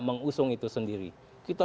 mengusung itu sendiri kita